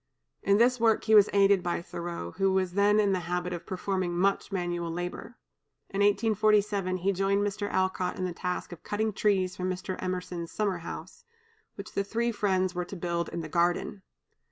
In this work he was aided by Thoreau, who was then in the habit of performing much manual labor. In 1847 he joined Mr. Alcott in the task of cutting trees for Mr. Emerson's summer house, which the three friends were to build in the garden.